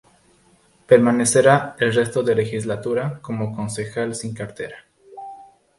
Permanecerá el resto de legislatura como concejal sin cartera.